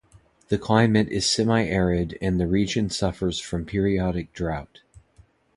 The climate is semi-arid and the region suffers from periodic drought.